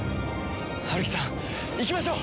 ハルキさん行きましょう！